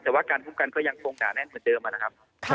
แต่ว่าการคุ้มกันก็ยังคงหนาแน่นเหมือนเดิมนะครับ